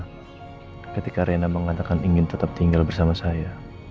karena ketika reina mengatakan ingin tetap tinggal bersama saya